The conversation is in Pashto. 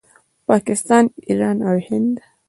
پاکستان، ایران او هند